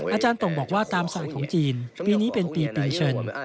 อาจารย์ตรงบอกว่าตามสะอาดของจีนปีนี้เป็นปีปิงชน